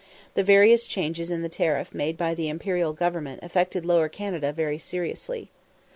The various changes in the tariff made by the Imperial Government affected Lower Canada very seriously.